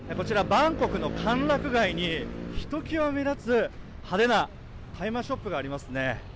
バンコクの歓楽街にひときわ目立つ派手な大麻ショップがありますね。